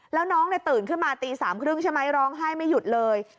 แล้วน้องตื่นขึ้นมาตี๓๓๐ใช่ไหมร้องไห้ไม่หยุดเลย